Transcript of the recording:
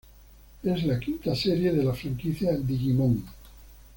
Es la quinta serie de la franquicia Digimon.